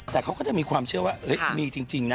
แต่เขาก็จะมีความเชื่อว่ามีจริงนะ